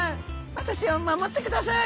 私を守ってください！」。